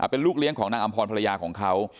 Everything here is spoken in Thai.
เป็นลูกเลี้ยงของนางอำพรภรรยาของเขา